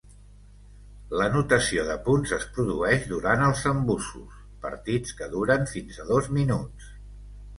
L'anotació de punts es produeix durant els "embussos": partits que duren fins a dos minuts.